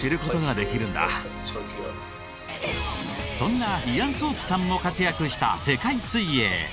そんなイアン・ソープさんも活躍した世界水泳。